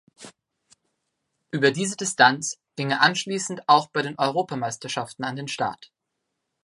Über diese Distanz ging er anschließend auch bei den Europameisterschaften an den Start.